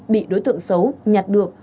bị đối tượng xấu nhặt được